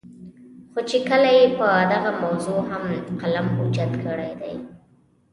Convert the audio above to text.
خو چې کله ئې پۀ دغه موضوع هم قلم اوچت کړے دے